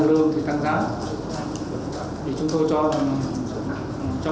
lượng hàng hóa của chúng ta không đến nỗi thiếu